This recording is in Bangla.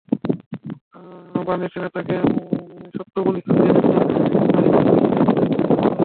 বার্নি স্যান্ডার্স তাঁকে স্বতঃপ্রণোদিত হয়ে একজন নারী মুসলিম হিসেবে প্রাথমিকভাবে নির্বাচন করেছিলেন।